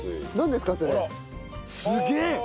すげえ！